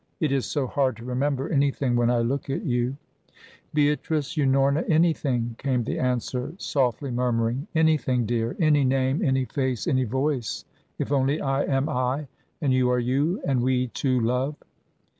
It is so hard to remember anything when I look at you." "Beatrice Unorna anything," came the answer, softly murmuring. "Anything, dear, any name, any face, any voice, if only I am I, and you are you, and we two love!